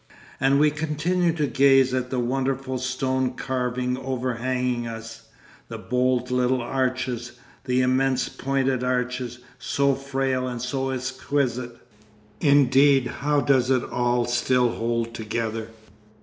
And we continue to gaze at the wonderful stone carving overhanging us the bold little arches, the immense pointed arches, so frail and so exquisite. Indeed how does it all still hold together?